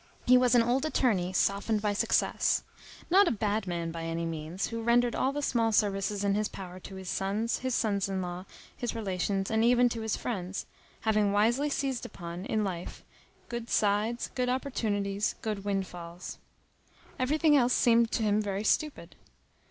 He was an old attorney, softened by success; not a bad man by any means, who rendered all the small services in his power to his sons, his sons in law, his relations, and even to his friends, having wisely seized upon, in life, good sides, good opportunities, good windfalls. Everything else seemed to him very stupid.